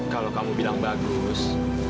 kalau kamu bilang bagus